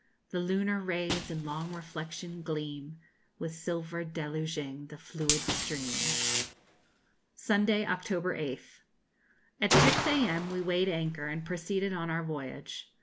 _ The lunar rays in long reflection gleam, With silver deluging the fluid stream. Sunday, October 8th. At 6 a.m. we weighed anchor, and proceeded on our voyage.